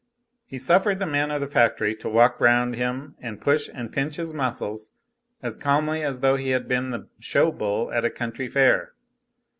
He suffered the man of the factory to walk round him and push and pinch his muscles as calmly as though he had been the show bull at a country fair.